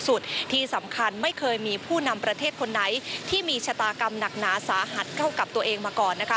ที่สำคัญไม่เคยมีผู้นำประเทศคนไหนที่มีชะตากรรมหนักหนาสาหัสเท่ากับตัวเองมาก่อนนะคะ